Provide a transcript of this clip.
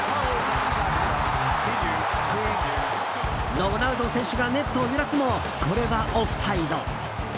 ロナウド選手がネットを揺らすもこれはオフサイド。